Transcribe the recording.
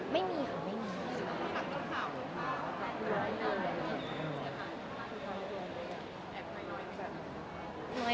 ไม่มีค่ะไม่มี